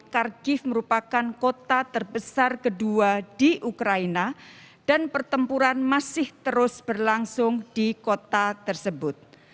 kharkiv merupakan kota terbesar kedua di ukraina dan pertempuran masih terus berlangsung di kota tersebut